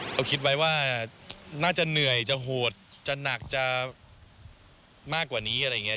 เขาคิดไว้ว่าน่าจะเหนื่อยจะโหดจะหนักจะมากกว่านี้อะไรอย่างนี้